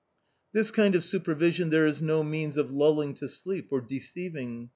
This kind of supervision there is no means of lulling to sleep or deceiving.